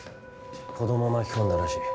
子ども巻き込んだらしい。